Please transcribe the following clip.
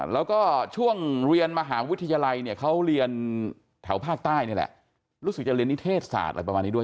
แล้วก็ช่วงเรียนมหาวิทยาลัยเนี่ยเขาเรียนแถวภาคใต้นี่แหละรู้สึกจะเรียนนิเทศศาสตร์อะไรประมาณนี้ด้วย